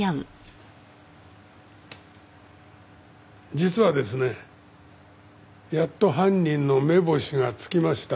実はですねやっと犯人の目星が付きました。